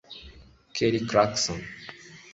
Kelly Clarkson